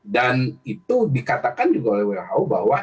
dan itu dikatakan juga oleh who bahwa